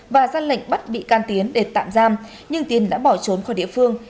và ra lệnh bắt bị can tiến để tạm giam nhưng tiến đã bỏ trốn khỏi địa phương